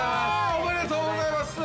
◆おめでとうございます。